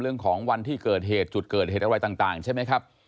วันที่เกิดเหตุจุดเกิดเหตุอะไรต่างใช่ไหมครับ